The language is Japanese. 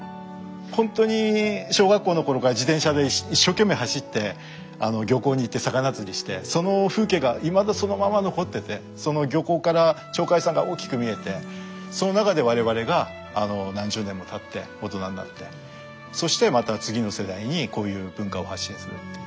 ほんとに小学校の頃から自転車で一生懸命走って漁港に行って魚釣りしてその風景がいまだそのまま残っててその漁港から鳥海山が大きく見えてその中で我々が何十年もたって大人になってそしてまた次の世代にこういう文化を発信するっていう。